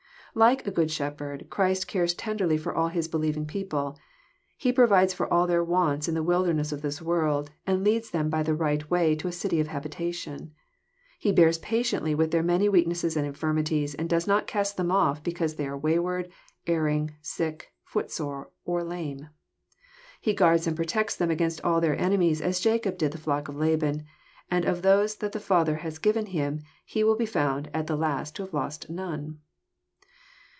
Like a Good Shepherd, Christ cares tenderly for all His believing people. He provides for all their wants in the wilderness of this world, and leads them by the right way to a city of habitation. He bears patiently with their many weaknesses and infirmities, and does not cast them off be cause they are wayward, erring, sick, footsore, or lame. He guards and protects them against all their enemies, as Jacob did the flock of Laban ; aud of those that the Father has given Him He will be found at last to have lost none.